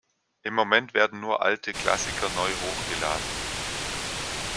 Im Moment werden nur alte Klassiker neu hochgeladen.